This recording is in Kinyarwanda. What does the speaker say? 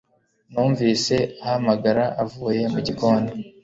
Numvise ahamagara avuye mu gikoni